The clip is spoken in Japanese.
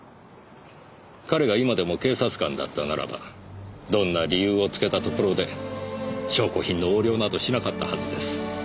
彼が今でも警察官だったならばどんな理由をつけたところで証拠品の横領などしなかったはずです。